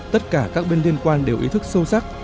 tất cả các bên liên quan đều ý thức sâu sắc